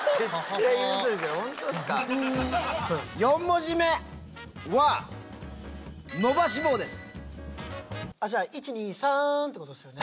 ４文字目は伸ばし棒です。